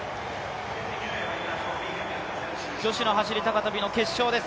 女子の走高跳の決勝です。